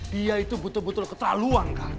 dia itu betul betul ketaluan